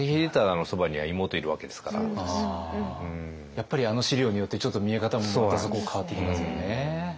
やっぱりあの史料によってちょっと見え方もまた変わってきますよね。